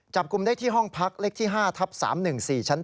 จับกลุ่มได้ที่ห้องพักเล็กที่๕ทับ๓๑๔ชั้น๘